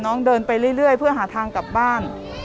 น้องเดินไปเรื่อยเพื่อหาทางกลับบ้าน